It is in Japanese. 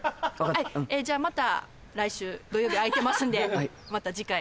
じゃあまた来週土曜日空いてますんでまた次回。